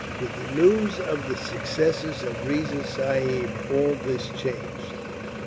With the news of the successes of Riza Sahib, all this changed.